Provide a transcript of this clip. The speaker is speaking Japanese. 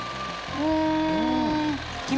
うん！